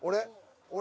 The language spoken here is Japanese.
俺？